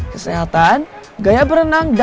kesehatan gaya berenang dan